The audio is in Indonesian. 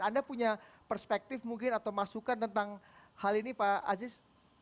anda punya perspektif mungkin atau masukan tentang hal ini pak aziz